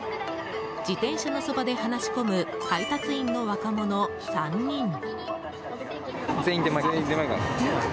自転車のそばで話し込む配達員の若者３人。